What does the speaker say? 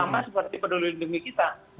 sama seperti penduduk di dunia kita